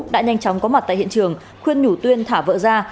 đã nhanh chóng có mặt tại hiện trường khuyên nhủ tuyên thả vợ ra